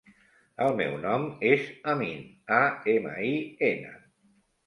El meu nom és Amin: a, ema, i, ena.